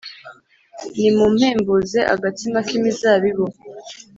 Nimumpembuze agatsima k’imizabibu,